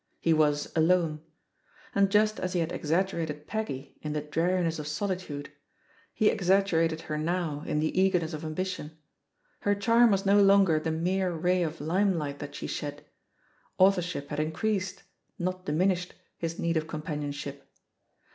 He was alone. And just as he had exaggerated Peggy in the dreariness of solitude, he exaggerated her now in the eagerness of am bition. Her charm was no longer the mere ray of limelight that she shed — authorship had in creased, not diminished, his need of companion ship.